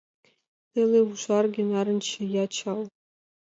Пеле ужарге, нарынче я чал.